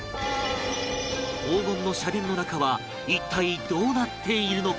黄金の社殿の中は一体どうなっているのか？